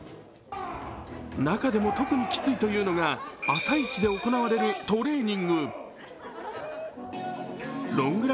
中でも、特にきついというのが朝イチで行われるトレーニング。